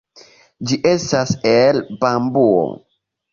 Ĝi estas el bambuo.